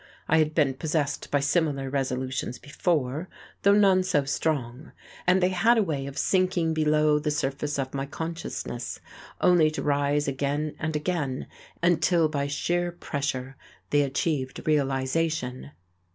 I had been possessed by similar resolutions before, though none so strong, and they had a way of sinking below the surface of my consciousness, only to rise again and again until by sheer pressure they achieved realization.